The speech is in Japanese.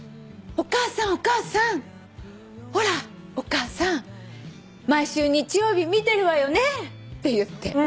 「お母さんお母さん」「ほらお母さん毎週日曜日見てるわよね」って言って。